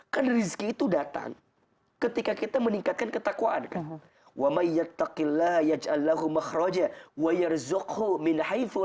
kan rizki itu datang ketika kita meningkatkan ketakwaan kan